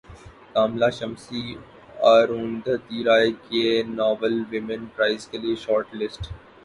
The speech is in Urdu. کاملہ شمسی اروندھتی رائے کے ناول ویمن پرائز کیلئے شارٹ لسٹ